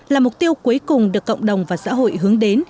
là mục tiêu cuối cùng được cộng đồng và xã hội hướng đến